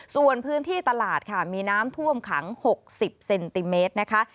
ส่วนพื้นที่ตลาดค่ะมีน้ำท่วมขัง๖๐เซนติเมตรนะคะ